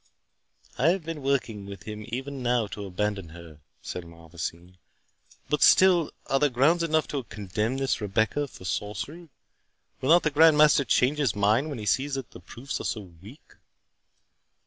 "I have been working him even now to abandon her," said Malvoisin; "but still, are there grounds enough to condemn this Rebecca for sorcery?—Will not the Grand Master change his mind when he sees that the proofs are so weak?"